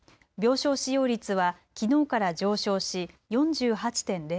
病床使用率はきのうから上昇し４８．０％。